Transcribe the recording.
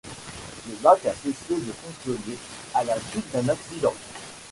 Le bac a cessé de fonctionner à la suite d'un accident.